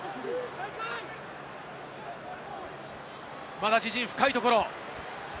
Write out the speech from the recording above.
まだ自陣、深いところ。